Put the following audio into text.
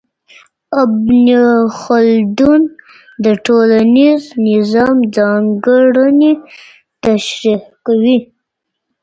ابن خلدون د ټولنیز نظام ځانګړنې تشریح کوي.